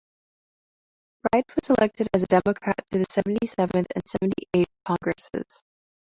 Wright was elected as a Democrat to the Seventy-seventh and Seventy-eighth Congresses.